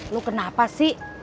lo kenapa sih